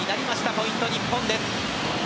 ポイント、日本です。